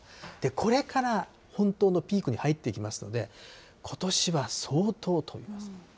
これから本当のピークに入ってきますので、ことしは相当飛びます。